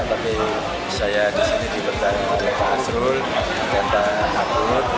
tapi saya di sini dipertarung oleh pak asrul pak teta akul